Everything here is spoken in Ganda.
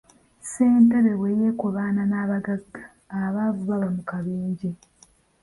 Ssentebe bwe yeekobaana n'abagagga, abaavu baba mu kabenje.